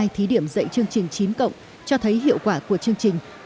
thí điểm dạy chương trình chín cộng cho thấy hiệu quả của chương trình